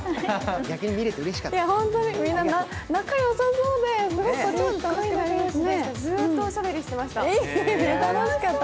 逆に見れてうれしかった。